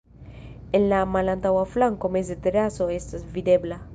En la malantaŭa flanko meze teraso estas videbla.